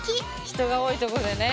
人が多いとこでね。